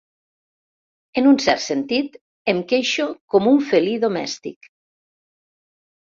En un cert sentit, em queixo com un felí domèstic.